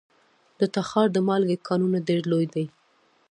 د تخار د مالګې کانونه ډیر لوی دي